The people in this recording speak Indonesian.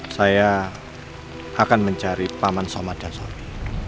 saya akan mencari paman somad dan sobi